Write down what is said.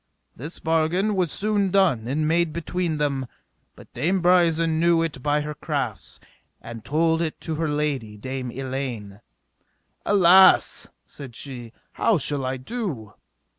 This bargain was soon done and made between them, but Dame Brisen knew it by her crafts, and told it to her lady, Dame Elaine. Alas, said she, how shall I do?